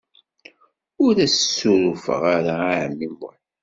Ur as-ssurufeɣ ara i ɛemmi Muḥ.